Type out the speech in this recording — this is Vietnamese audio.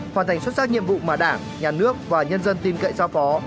hoàn thành xuất sắc nhiệm vụ mà đảng nhà nước và nhân dân tin cậy giao phó